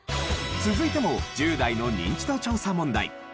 続いても１０代のニンチド調査問題。